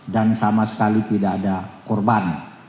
dan sama sekali tidak ada korban